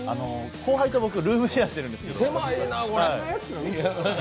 後輩と僕、ルームシェアしてるんです。